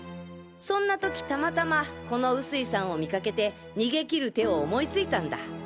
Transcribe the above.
そんな時たまたまこの臼井さんを見かけて逃げ切る手を思いついたんだ。